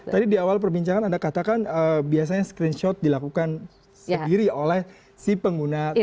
tadi di awal perbincangan anda katakan biasanya screenshot dilakukan sendiri oleh si pengguna transportasi